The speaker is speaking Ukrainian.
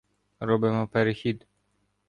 Робимо перехід.